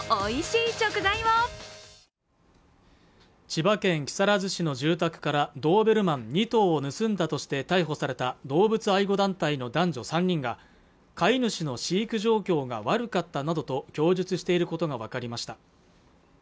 千葉県木更津市の住宅からドーベルマン２頭を盗んだとして逮捕された動物愛護団体の男女３人が飼い主の飼育状況が悪かったなどと供述していることが分かりました